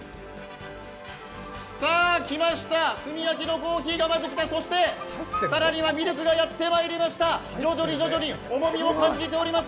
さあきました、炭焼きのコーヒーがまずきた、更にはミルクがやってまいりました、徐々に徐々に重みを感じております